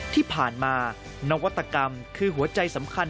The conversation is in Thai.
ที่ผ่านมานวัตกรรมคือหัวใจสำคัญ